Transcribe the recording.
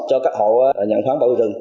cho các hộ nhận khoán bảo vệ rừng